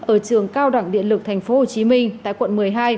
ở trường cao đẳng điện lực thành phố hồ chí minh tại quận một mươi hai